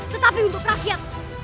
tetapi untuk rakyat